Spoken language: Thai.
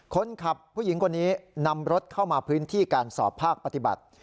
คนขับผู้หญิงคนนี้นำรถเข้ามาพื้นที่การสอบภาคปฏิบัติ